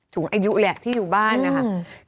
สูงอายุแหละที่อยู่บ้านนะครับ